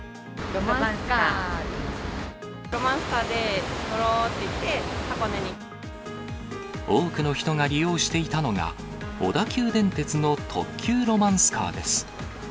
ロマンスカーに乗ろうって、多くの人が利用していたのが、小田急電鉄の特急ロマンスカーです。